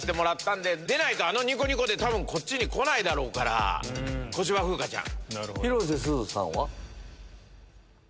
でないとあのニコニコでこっちに来ないだろうから小芝風花ちゃん。